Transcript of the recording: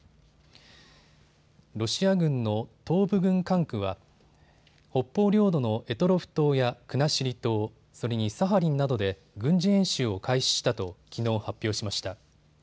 ロシア軍の東部軍管区は北方領土の択捉島や国後島、それにサハリンなどで軍事演習を開始したと、きのう発表しました。